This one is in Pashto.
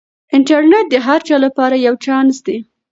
انټرنیټ د هر چا لپاره یو چانس دی.